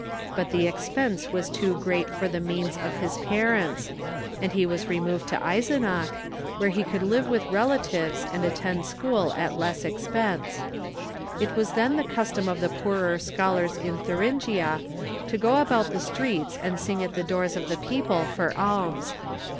But the expense was too great for the means of his parents, and he was re moved to Eisenach, where he could live with relatives and attend school at less expense. It was then the custom of the poorer scholars in Thuringia to go about the streets and sing at the doors of the people for alms.